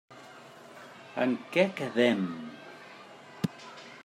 En què quedem?